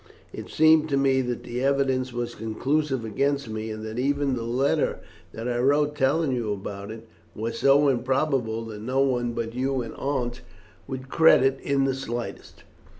It seemed to me that the evidence was conclusive against me, and that even the letter that I wrote telling you about it, was so improbable that no one but you and Aunt would credit, in the slightest."